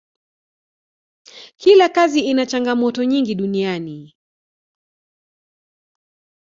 kila kazi ina changamoto nyingi duniani